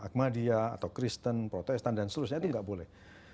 ahmadiyah atau kristen protestan dan seterusnya itu nggak boleh